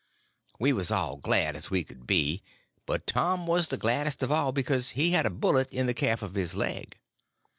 We was all glad as we could be, but Tom was the gladdest of all because he had a bullet in the calf of his leg.